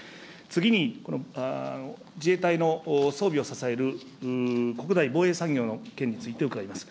次に、自衛隊の装備を支える国内防衛産業の件について伺います。